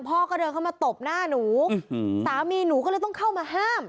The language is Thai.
พ่อก็เดินเข้ามาตบหน้าหนูสามีหนูก็เลยต้องเข้ามาห้าม